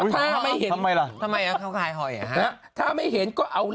แล้วถ้าไม่เห็น